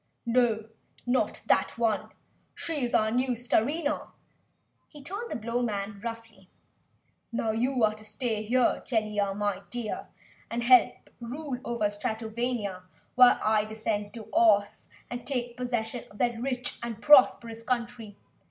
"No No! Not that one! She is our new Starina!" he told the Blowman roughly. "Now you are to stay right here, Jellia, my dear, and help rule over Stratovania while I descend to Ohs and take possession of that rich and prosperous country.